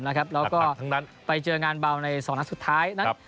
แล้วก็ไปเจองานเบาใน๒นัดสุดท้ายนั้น